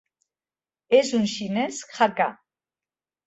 És un xinès Hakka.